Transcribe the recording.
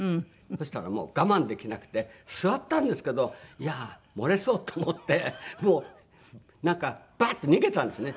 そしたらもう我慢できなくて座ったんですけどいやあ漏れそうって思ってもうなんかバッて逃げたんですね